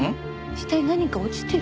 下に何か落ちてる。